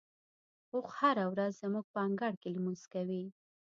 اوښ هره ورځ زموږ په انګړ کې لمونځ کوي.